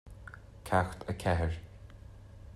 Ceacht a Ceathair